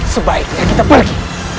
sebaiknya kita pergi